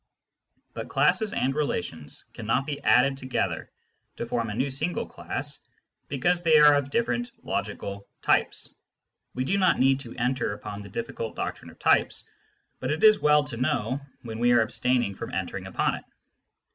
But classes and relations cannot be added to gether to form a new single class, because they are of different logical " types." We do not need to enter upon the difficult doctrine of types, but it is well to know when we are abstaining from entering upon it.